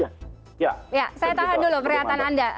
ya saya tahan dulu pernyataan anda